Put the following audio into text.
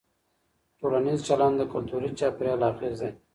ټولنیز چلند د کلتوري چاپېریال اغېز دی.